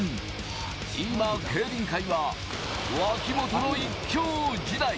今、競輪界は脇本の一強時代。